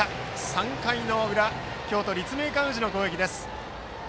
３回の裏、京都・立命館宇治の攻撃です。